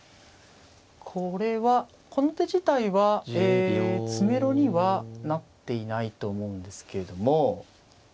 これはこの手自体は詰めろにはなっていないと思うんですけれども。